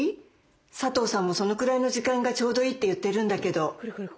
佐藤さんもそのくらいの時間がちょうどいいって言ってるんだけど」。